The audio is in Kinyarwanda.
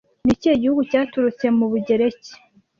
Ni ikihe gihugu cyaturutse mu Bugereki